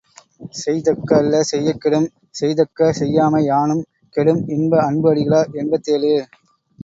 செய்தக்க அல்ல செயக்கெடும் செய்தக்க செய்யாமை யானும் கெடும் இன்ப அன்பு அடிகளார் எண்பத்தேழு.